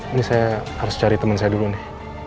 ini saya harus cari teman saya dulu nih